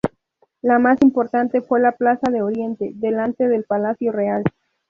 La más importante fue la plaza de Oriente, delante del Palacio Real.